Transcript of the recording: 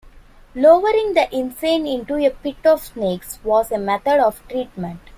Lowering the insane into a pit of snakes was a method of treatment.